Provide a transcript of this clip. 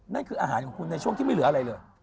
นั่นคืออาหารของคุณในช่วงที่ไม่เหลืออะไรเลย